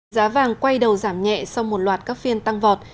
giá vàng quay đầu giảm nhẹ sau một loạt các phiên tăng vọt